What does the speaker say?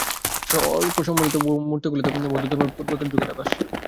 সর্পসম্বলিত মূর্তিগুলিতে বৌদ্ধধর্মের পূর্বেকার যুগের আভাস।